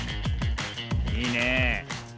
いいね。